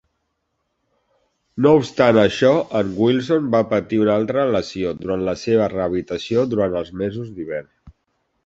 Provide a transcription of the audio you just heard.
No obstant això, en Wilson va patir una altra lesió durant la seva rehabilitació durant els mesos d'hivern.